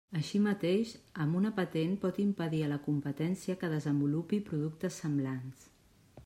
Així mateix, amb una patent pot impedir a la competència que desenvolupi productes semblants.